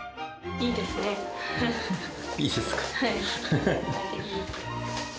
いいですか？